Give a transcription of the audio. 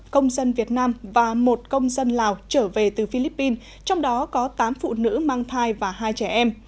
công dân việt nam và một công dân lào trở về từ philippines trong đó có tám phụ nữ mang thai và hai trẻ em